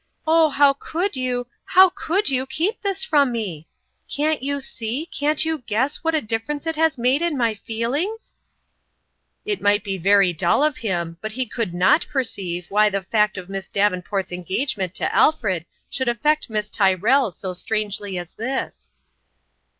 " Oh, how could you how could you keep this from me? Can't you see can't you guess what a difference it has made in my feel ings ?" 150 (Jotrrmalin's &ime Cheques. It might be very dull of him, but he could not perceive why the fact of Miss Davenport's engagement to Alfred should affect Miss Tyr rell so strangely as this